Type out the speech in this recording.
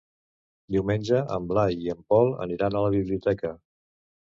Diumenge en Blai i en Pol aniran a la biblioteca.